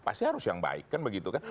pasti harus yang baik kan begitu kan